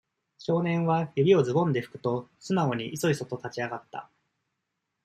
少年は、指をズボンでふくと、素直に、いそいそと立ち上がった。